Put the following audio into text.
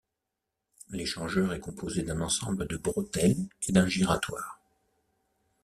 L'échangeur est composé d'un ensemble de bretelles et d'un giratoire.